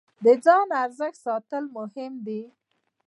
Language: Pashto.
د ځان ارزښت ساتل مهم دی.